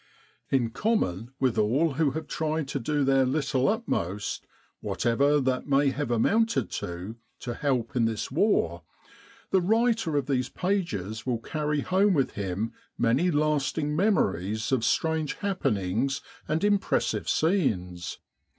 In common with all who have tried to do their little utmost whatever that may have amounted to to help in this War, the writer of these pages will carry home with him many lasting memories of strange happenings and impressive scenes.